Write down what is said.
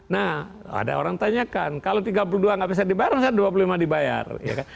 nah ada orang tanyakan kalau tiga puluh dua nggak bisa dibayar saya dua puluh lima dibayar ya kan